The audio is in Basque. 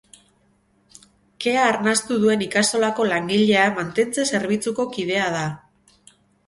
Kea arnastu duen ikastolako langilea mantentze-zerbitzuko kidea da.